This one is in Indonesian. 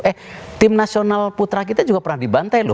eh tim nasional putra kita juga pernah dibantai loh